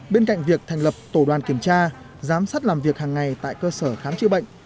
bên cạnh việc thành lập tổ đoàn kiểm tra giám sát làm việc hàng ngày tại cơ sở khám chữa bệnh